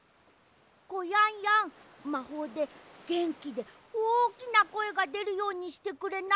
コヤンヤンまほうでげんきでおおきなこえがでるようにしてくれない？